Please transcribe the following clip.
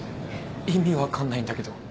意味分かんないんだけど。